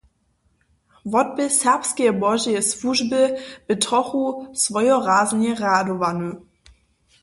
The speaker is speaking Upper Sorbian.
Wotběh serbskeje Božeje słužby bě trochu swojoraznje rjadowany.